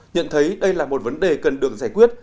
nhận thấy đây là một vấn đề cần được giải quyết